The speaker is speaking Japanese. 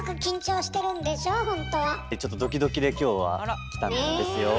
ちょっとドキドキで今日は来たんですよ。